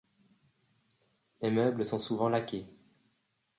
Les meubles sont souvent laqués.